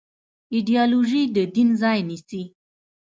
ایدیالوژي د دین ځای نيسي.